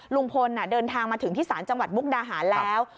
ลุงพลเดินทางมาถึงที่ศาลจังหวัดมุกดาหารแล้ว